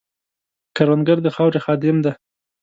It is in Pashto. کروندګر د خاورې خادم دی